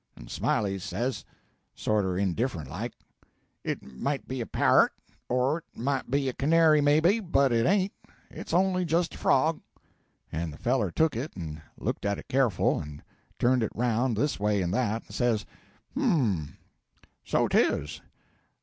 And Smiley says, sorter indifferent like, 'It might be a parrot, or it might be a canary, maybe, but it's ain't it's only just a frog.' And the feller took it, and looked at it careful, and turned it round this way and that, and says, 'H'm so 'tis.